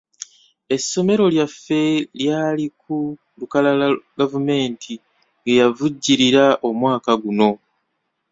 Essomero lyaffe lyali ku lukalala gavumenti ge yavujjirira omwaka guno.